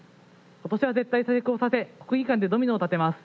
今年は絶対成功させ国技館でドミノを立てます。